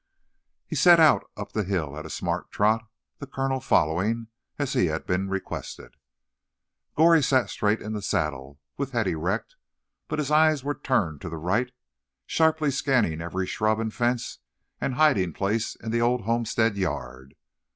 He set out up the hill at a smart trot, the colonel following, as he had been requested. Goree sat straight in the saddle, with head erect, but his eyes were turned to the right, sharply scanning every shrub and fence and hiding place in the old homestead yard.